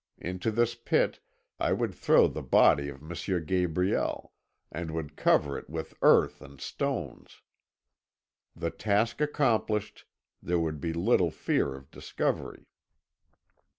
Into this pit I would throw the body of M. Gabriel, and would cover it with earth and stones. The task accomplished, there would be little fear of discovery.